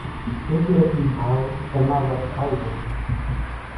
ايٽلي اِي ڀائو زناور کائي ۿڳي